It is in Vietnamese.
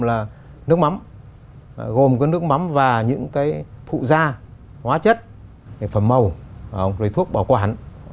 là nước mắm gồm cái nước mắm và những cái phụ da hóa chất phẩm màu rồi thuốc bảo quản